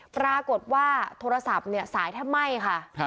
ปรากฏว่าโทรศัพท์เนี่ยสายแทบไหม้ค่ะ